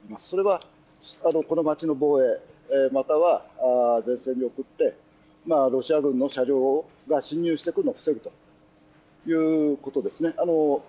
それは、この街の防衛、または前線に送って、ロシア軍の車両が侵入してくるのを防ぐということですね。